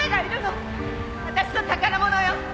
私の宝物よ！